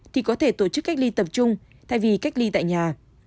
thì có thể tổ chức cách ly tập trung thay vì cách ly tại nhà